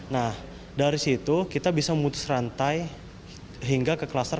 nah dari situ kita bisa memutus rantai hingga ke kluster